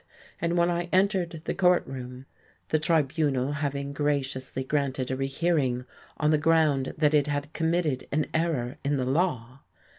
And when I entered the court room (the tribunal having graciously granted a rehearing on the ground that it had committed an error in the law!)